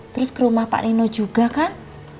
terus ke rumah pak nino juga kan